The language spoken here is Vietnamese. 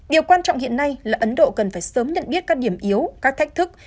điều quan trọng hiện nay là ấn độ cần phải sớm nhận biết các điểm yếu các thách thức